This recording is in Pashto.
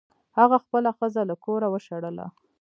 هغه خپله ښځه له کوره وشړله.